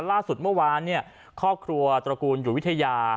ล่าสุดเมื่อวานครอบครัวตระกูลอยู่วิทยา